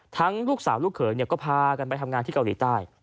ลูกสาวลูกเขยก็พากันไปทำงานที่เกาหลีใต้